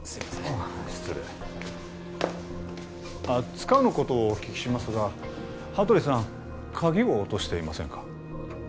あっ失礼つかぬことをお聞きしますが羽鳥さん鍵を落としていませんか？